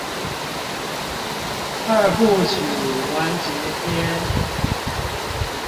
二部曲完結篇